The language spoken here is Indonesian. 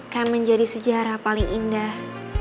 kami menjadi sejarah paling indah